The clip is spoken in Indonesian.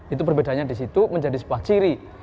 itu perbedaannya di situ menjadi sebuah ciri